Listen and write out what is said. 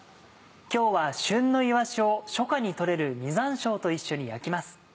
今日は旬のいわしを初夏に採れる実山椒と一緒に焼きます。